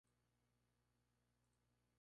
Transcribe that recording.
El tercer grupo, en el sur, el Monte az-Zawiya.